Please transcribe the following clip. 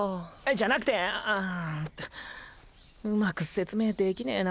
じゃなくてあーんとうまく説明できねーな。